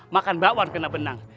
makan bakwan kena benang